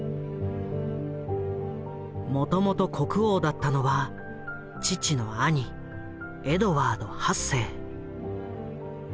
もともと国王だったのは父の兄エドワード８世。